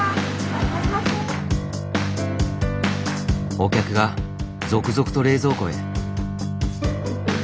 お客が続々と冷蔵庫へ。